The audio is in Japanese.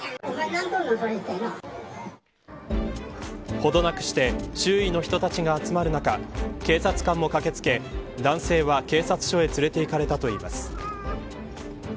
ほどなくして周囲の人たちが集まる中警察官も駆け付け男性は、警察署へ連れて行かれたといいます。